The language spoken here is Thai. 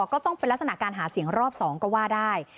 ก็ต้องเป็นลักษณะการหาเสียงรอบ๒ก็ว่าได้